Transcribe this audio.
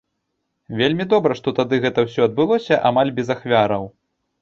Вельмі добра, што тады гэта ўсё адбылося амаль без ахвяраў.